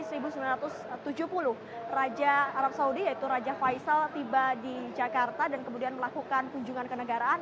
jadi raja salman dari arab saudi yaitu raja faisal tiba di jakarta dan kemudian melakukan kunjungan kenegaraan